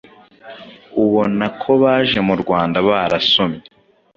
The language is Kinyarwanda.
ubona ko baje mu Rwanda barasomye,